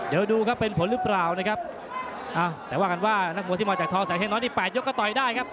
เดี๋ยวดูครับเป็นผลหรือเปล่านะครับอ่าแต่ว่ากันว่านักมวยที่มาจากทอแสงเทน้อยนี่แปดยกก็ต่อยได้ครับ